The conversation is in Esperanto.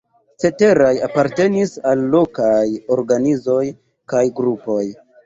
Ceteraj apartenis al lokaj organizoj kaj grupoj.